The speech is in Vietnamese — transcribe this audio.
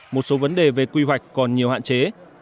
một số vấn đề về quy hoạch còn nhiều hạn chế